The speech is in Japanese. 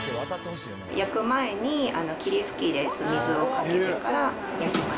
焼く前に、霧吹きで水をかけてから焼きます。